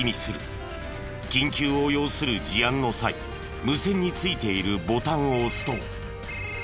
緊急を要する事案の際無線についているボタンを押すと。